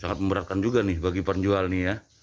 sangat memberatkan juga nih bagi penjual nih ya